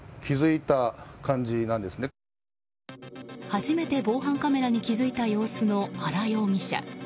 初めて防犯カメラに気づいた様子の原容疑者。